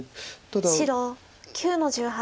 白９の十八。